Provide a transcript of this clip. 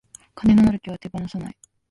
金のなる木は手放さない